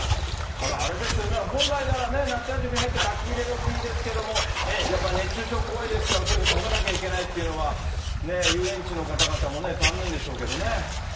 ただ、あれですよね、本来なら、夏休み入って書き入れ時ですけれども、やっぱり熱中症怖いですから、そういうふうに止めなきゃいけないというのは、遊園地の方々も残念でしょうけどね。